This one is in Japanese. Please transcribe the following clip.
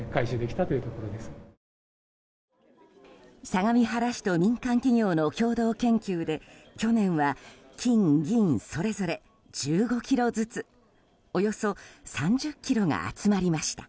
相模原市と民間企業の共同研究で去年は、金銀それぞれ１５ｋｇずつおよそ３０ｋｇが集まりました。